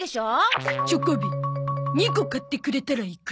チョコビ２個買ってくれたら行く。